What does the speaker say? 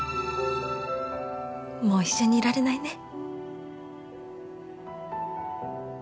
もう一緒にいられないね。